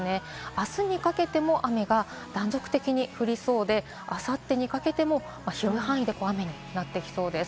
あすにかけても雨が断続的に降りそうで、あさってにかけても広い範囲で雨になってきそうです。